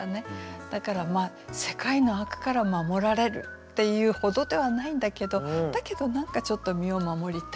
だから世界の悪から守られるっていうほどではないんだけどだけど何かちょっと身を守りたい感じ。